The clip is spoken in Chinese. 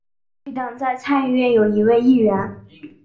绿党在参议院有一位议员。